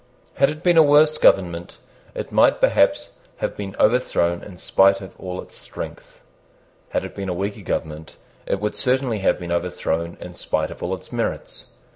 Had it been a worse government, it might perhaps have been overthrown in spite of all its strength. Had it been a weaker government, it would certainly have been overthrown in spite of all its merits.